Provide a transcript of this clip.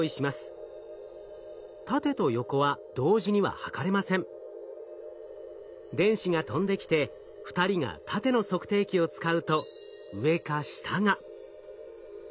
縦と横は電子が飛んできて２人が縦の測定器を使うと上か下が。